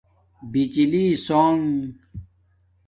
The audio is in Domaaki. بجلی سݳنݣ